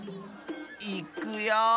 いくよ。